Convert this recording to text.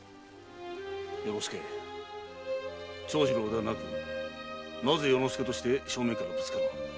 与の介長次郎ではなくなぜ与の介として正面からぶつからぬ。